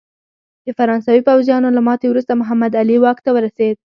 د فرانسوي پوځیانو له ماتې وروسته محمد علي واک ته ورسېد.